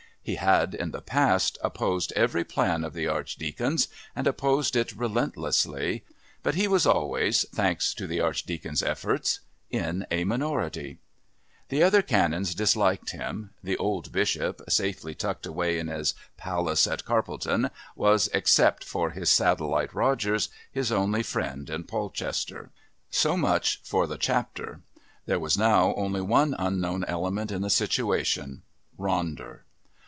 He had, in the past, opposed every plan of the Archdeacon's, and opposed it relentlessly, but he was always, thanks to the Archdeacon's efforts, in a minority. The other Canons disliked him; the old Bishop, safely tucked away in his Palace at Carpledon, was, except for his satellite Rogers, his only friend in Polchester. So much for the Chapter. There was now only one unknown element in the situation Ronder.